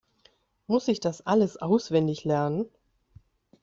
Muss ich das alles auswendig lernen?